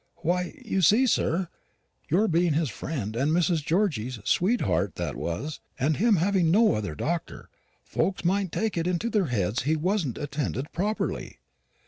"Why, you see, sir, you being his friend, and Miss Georgy's sweetheart that was, and him having no other doctor, folks might take it into their heads he wasn't attended properly."